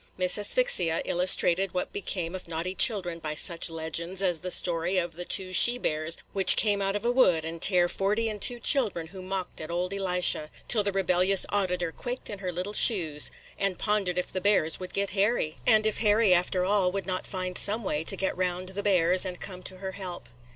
Miss Asphyxia illustrated what became of naughty children by such legends as the story of the two she bears which came out of a wood and tare forty and two children who mocked at old Elisha, till the rebellious auditor quaked in her little shoes, and pondered if the bears would get Harry, and if Harry, after all, would not find some way to get round the bears and come to her help.